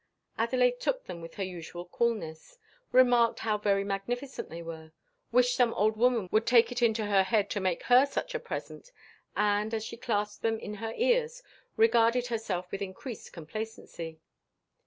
Adelaide took them with her usual coolness remarked how very magnificent they were wished some old woman would take it into her head to make her such a present; and, as she clasped them in her ears, regarded herself with increased complacency.